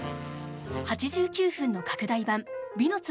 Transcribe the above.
８９分の拡大版「美の壺」